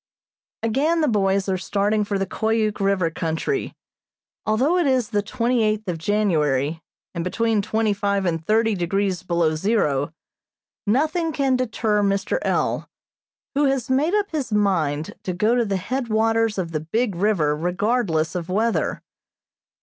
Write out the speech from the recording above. Again the boys are starting for the Koyuk River country. Although it is the twenty eighth of January, and between twenty five and thirty degrees below zero, nothing can deter Mr. L., who has made up his mind to go to the headwaters of the big river regardless of weather.